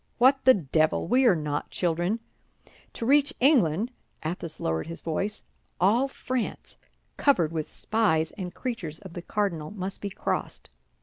What the devil! we are not children. To reach England"—Athos lowered his voice—"all France, covered with spies and creatures of the cardinal, must be crossed.